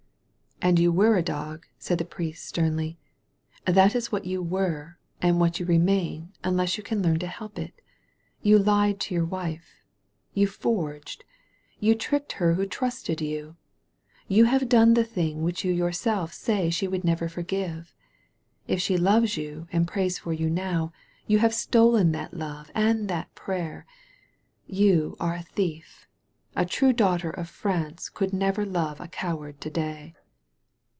And you were a dog/' said the priest sternly. "That is what you were, and what you remain unless you can learn to help it. You lied to your wife. You forged; you tricked her who trusted you. You have done the thing which you your self say she would never forgive. If she loves you and prays for you now, you have stolen that love and that prayer. You are a thief. A true daughter of Prance could never love a coward to day."